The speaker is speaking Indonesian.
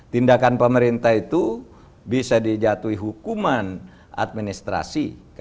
tindakan pemerintah itu bisa dijatuhi hukuman administrasi